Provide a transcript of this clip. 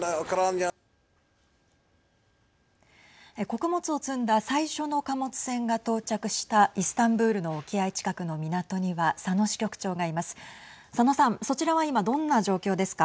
穀物を積んだ最初の貨物船が到着したイスタンブールの沖合近くの港には佐野支局長がいます。